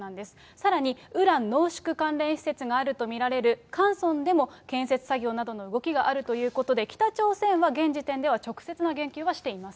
さらにウラン濃縮関連施設が見られるカンソンでも、建設作業などの動きがあるということで、北朝鮮は現時点では直接の言及はしていません。